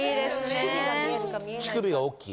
乳首が大きい？